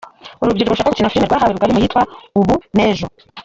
Urubyiruko rushaka gukina filimi rwahawe rugari mu yitwa ”Ubu n’Ejo”